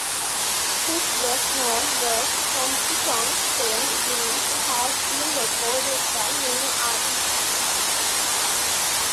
His best-known work, "Honky Tonk Train Blues", has been recorded by many artists.